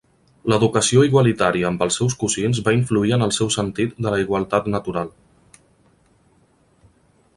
L'educació igualitària amb els seus cosins va influir en el seu sentit de la igualtat natural.